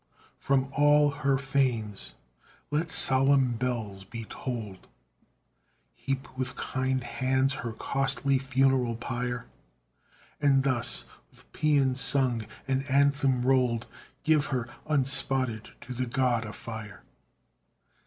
From all her fanes let solemn bells be tolled; Heap with kind hands her costly funeral pyre, And thus, with pæan sung and anthem rolled, Give her unspotted to the God of Fire.